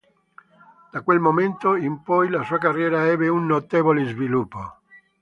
Da quel momento in poi la sua carriera ebbe un notevole sviluppo.